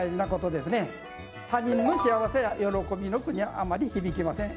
他人の幸せや喜びの句にはあまり響きません。